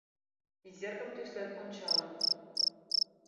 Изергым тӱслен ончалын.